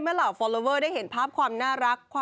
เหล่าฟอลลอเวอร์ได้เห็นภาพความน่ารัก